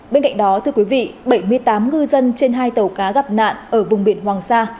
bên cạnh đó bảy mươi tám ngư dân trên hai tàu cá gặp nạn ở vùng biển hoàng sa